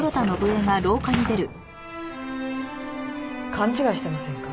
勘違いしてませんか？